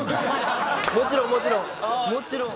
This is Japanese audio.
もちろんもちろん。